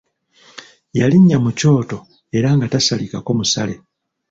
Yalinnya mu kyoto era nga tasalikako musale.